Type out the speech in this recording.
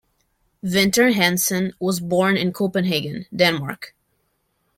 Vinter Hansen was born in Copenhagen, Denmark.